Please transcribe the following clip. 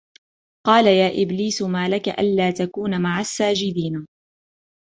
قَالَ يَا إِبْلِيسُ مَا لَكَ أَلَّا تَكُونَ مَعَ السَّاجِدِينَ